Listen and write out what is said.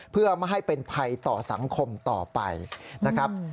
เพื่อไม่ให้เป็นภัยต่อสังคมต่อไปนะครับ